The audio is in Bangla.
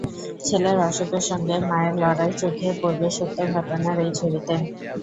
ছেলের অসুখের সঙ্গে মায়ের লড়াই চোখে পড়বে সত্য ঘটনার এই ছবিতে।